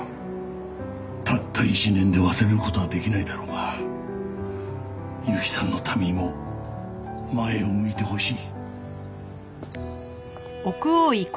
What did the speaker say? たった１年で忘れる事はできないだろうがゆきさんのためにも前を向いてほしい。